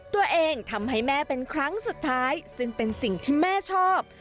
ตัวเองทำให้แม่เป็นครั้งสุดท้ายซึ่งเป็นสิ่งที่แม่ชอบ